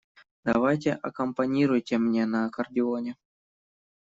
Давайте аккомпанируйте мне на аккордеоне.